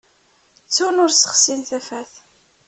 Ttun ur ssexsin tafat.